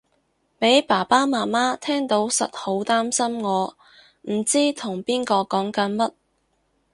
俾爸爸媽媽聽到實好擔心我唔知同邊個講緊乜